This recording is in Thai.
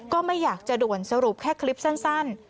ก็ไม่อยากจะด่วนสรุปแค่คลิปสั้น